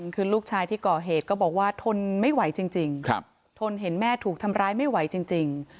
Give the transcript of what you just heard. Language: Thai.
คือลูกชายที่ก่อเหตุก็บอกว่าทนไม่ไหวจริงทนเห็นแม่ถูกทำร้ายไม่ไหวจริง